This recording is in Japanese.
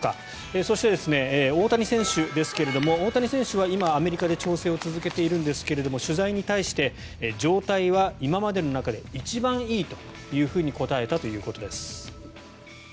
そして、大谷選手ですが大谷選手は今、アメリカで調整を続けているんですが取材に対して状態は今までの中で一番いいというふうに答えたということです。